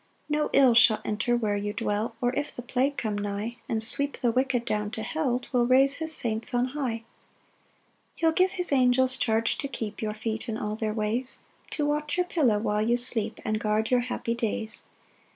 2 No ill shall enter where you dwell; Or if the plague come nigh, And sweep the wicked down to hell, 'Twill raise his saints on high. 3 He'll give his angels charge to keep Your feet in all their ways; To watch your pillow while you sleep, And guard your happy days.